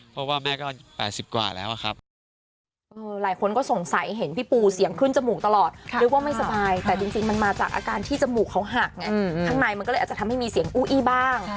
เพราะว่าแม่ก็๘๐กว่าแล้วครับ